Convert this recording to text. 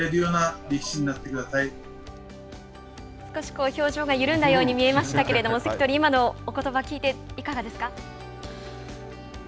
少し表情が緩んだように見えましたけれども関取、今のおことばを聞いて、いかがですか。